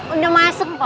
udah masuk kok